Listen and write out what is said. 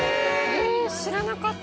知らなかった。